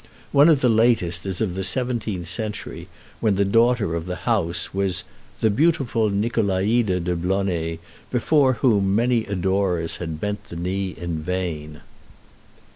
One of the latest is of the seventeenth century, when the daughter of the house was "the beautiful Nicolaïde de Blonay, before whom many adorers had bent the knee in vain.